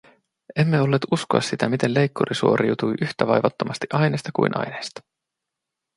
Emme olleet uskoa sitä, miten leikkuri suoriutui yhtä vaivattomasti aineesta kuin aineesta.